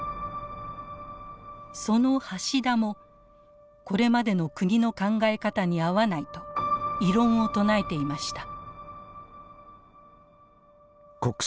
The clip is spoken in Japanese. その橋田もこれまでの国の考え方に合わないと異論を唱えていました。